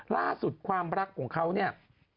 ล่าสุดความรักของเขาเนี่ย